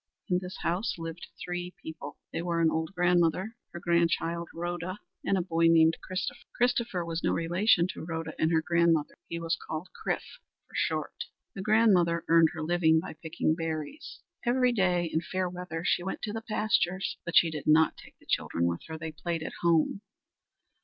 In this house lived three people. They were an old grandmother; her grandchild, Rhoda; and a boy named Christopher. Christopher was no relation to Rhoda and her grandmother. He was called Chrif for short. The grandmother earned her living by picking berries. Every day in fair weather she went to the pastures. But she did not take the children with her. They played at home.